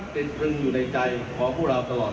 พร้อมทั้งให้โดยงามพนันธการน้ำ